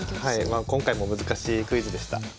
まあ今回も難しいクイズでした。